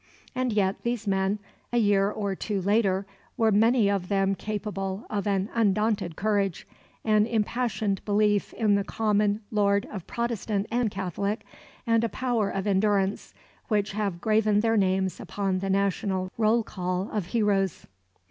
And yet these men, a year or two later, were many of them capable of an undaunted courage, an impassioned belief in the common Lord of Protestant and Catholic, and a power of endurance, which have graven their names upon the national roll call of heroes.